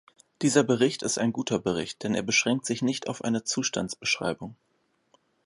Dieser Bericht ist ein guter Bericht, denn er beschränkt sich nicht auf eine Zustandsbeschreibung.